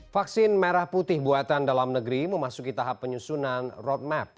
vaksin merah putih buatan dalam negeri memasuki tahap penyusunan roadmap